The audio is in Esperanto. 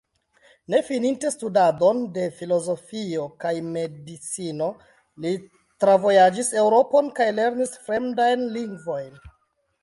Ne fininte studadon de filozofio kaj medicino, li travojaĝis Eŭropon kaj lernis fremdajn lingvojn.